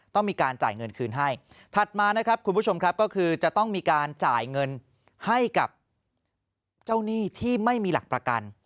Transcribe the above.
ต้องมีการจ่ายเงินคืนให้ถัดมานะครับคุณผู้ชมครับก็คือจะต้องมีการจ่ายเงินให้กับเจ้าหนี้ที่ไม่มีหลักประกัน